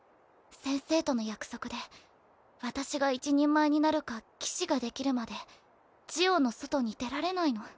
先生との約束で私が一人前になるか騎士ができるまでジオの外に出られないの。